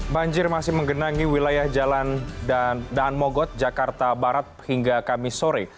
banjir masih menggenangi wilayah jalan dan daan mogot jakarta barat hingga kamisore